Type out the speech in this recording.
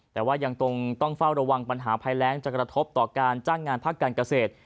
แต่ว่ายังต้องเฝ้าระวังปัญหาภัยแรงจะกระทบต่อการจ้างงานภาคการเกษตร